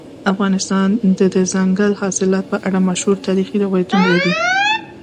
افغانستان د دځنګل حاصلات په اړه مشهور تاریخی روایتونه لري.